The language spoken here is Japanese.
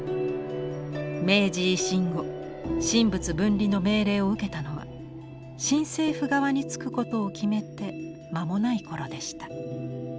明治維新後神仏分離の命令を受けたのは新政府側に付くことを決めて間もない頃でした。